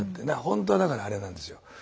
本当はだからあれなんですよ。